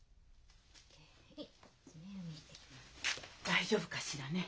大丈夫かしらね？